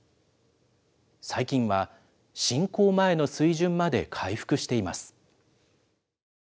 最近は、侵攻前の水準まで回復しています。